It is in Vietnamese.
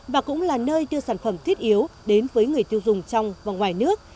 và cũng là nơi đưa sản phẩm thiết yếu đến với người tiêu dùng trong và ngoài nước